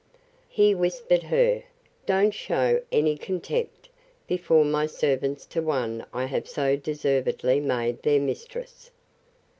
He whispered her, Don't shew any contempt before my servants to one I have so deservedly made their mistress.